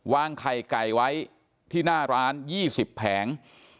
ไข่ไก่ไว้ที่หน้าร้าน๒๐แผง